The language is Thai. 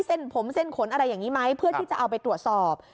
เส้นผมเส้นขนอะไรอย่างนี้ไหมเพื่อที่จะเอาไปตรวจสอบ